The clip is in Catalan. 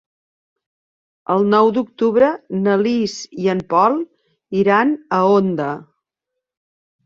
El nou d'octubre na Lis i en Pol iran a Onda.